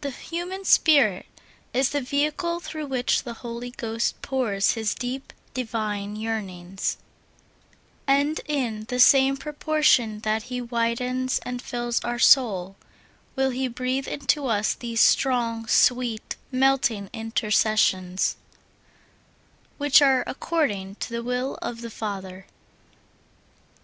The human spirit is the vehicle through which the Holy Ghost pours His deep, divine yearnings, and in the same proportion that He widens and fills our souls, will He breathe into us these strong, sweet, melting in tercessions, which are according to the will of the Father.